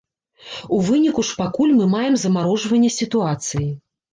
У выніку ж пакуль мы маем замарожванне сітуацыі.